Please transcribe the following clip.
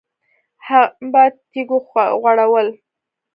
هم په تيږو غړول.